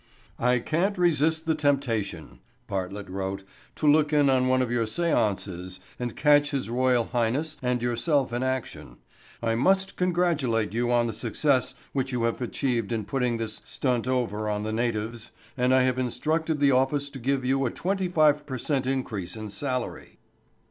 "I can't resist the temptation," Bartlett wrote, "to look in on one of your seances and catch His Royal Highness and yourself in action. I must congratulate you on the success which you have achieved in putting this stunt over on the natives and I have instructed the office to give you a twenty five per cent increase in salary."